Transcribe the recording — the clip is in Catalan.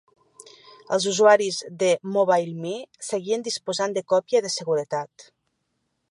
Els usuaris de MobileMe seguien disposant de còpia de seguretat.